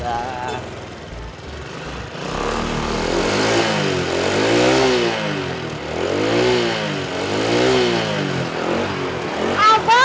tak ada yang menyesal